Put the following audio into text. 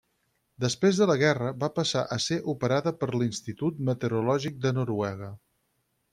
Després de la guerra, va passar a ser operada per l'Institut Meteorològic de Noruega.